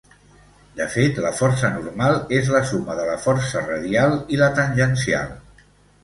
De fet, la força normal és la suma de la força radial i la tangencial.